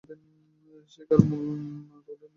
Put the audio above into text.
শেখর মুখ না তুলিয়া প্রথমে অতি মৃদুস্বরে আরম্ভ করিলেন।